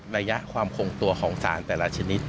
ระยะความคงตัวของสารแต่ละชนิด